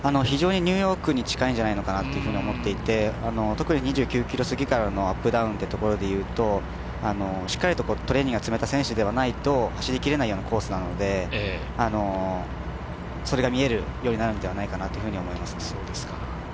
非常にニューヨークに近いんじゃないかなと思っていて特に２９ｋｍ過ぎからのアップダウンのところでいうとしっかりとトレーニングが積めた選手じゃないで走りきれないコースなのでそれが見えるようになるのではないかなと思いますね。